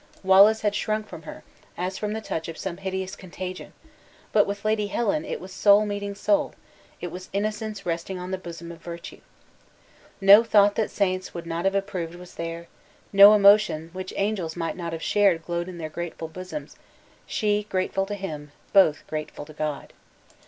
Wallace had shrunk from her, as from the touch of some hideous contagion, but with Lady Helen it was soul meeting soul, it was innocence resting on the bosom of virtue. No thought that saints would not have approved was there, no emotion which angels might not have shared, glowed in their grateful bosoms she, grateful to him; both grateful to God.